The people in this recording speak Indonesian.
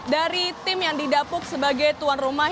dari tim yang didapuk sebagai tuan rumah